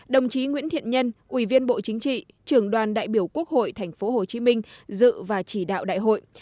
đồng chí nguyễn thiện nhân ủy viên bộ chính trị trưởng đoàn đại biểu quốc hội tp hcm dự và chỉ đạo đại hội